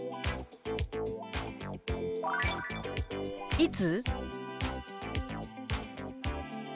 「いつ？」。